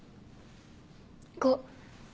５。